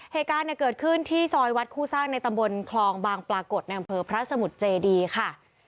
เหตุการณ์เกิดขึ้นที่ซอยวัดคู่สร้างในตำบลคลองบางปรากฏในอำเภอพระสมุทรเจดีค่ะ